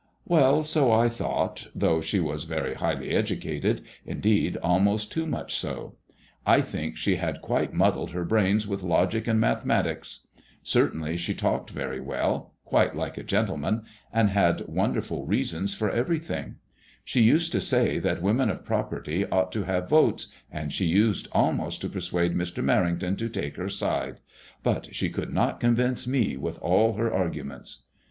" Well, so I thought, though she was very highly educated, indeed almost too much so; I think she had quite muddled her brains with logic and mathe matics. Certainly she talked very well — quite like a gentle man — and had wonderful reasons ^ IfADSMOISSLLB IXX. 4I ■^■w W I I — ^^.^i^a^i.^— .1 ■ n il for eyerything. She used to sa] that women of property ought to haye yotes, and she used almost to persuade Mr. Merrington to take her side ; but she could not convince me with all her argu ments."